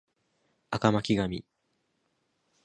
赤巻紙